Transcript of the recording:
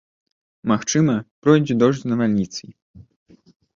Магчыма, пройдзе дождж з навальніцай.